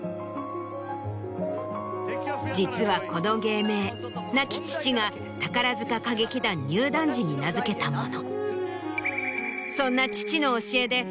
実はこの芸名亡き父が宝塚歌劇団入団時に名付けたもの。